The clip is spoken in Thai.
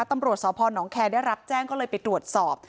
ตำรวจสพนแคร์ได้รับแจ้งก็เลยไปตรวจสอบ